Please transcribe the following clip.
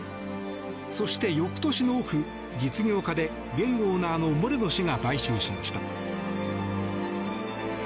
そして、翌年のオフ実業家で現オーナーのモレノ氏が買収しました。